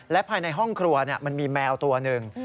และภายในห้องครัวมันมีแมวตัวหนึ่ง